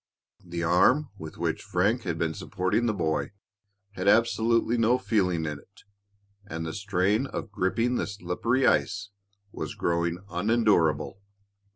The arm with which Frank had been supporting the boy had absolutely no feeling in it, and the strain of gripping the slippery ice was growing unendurable.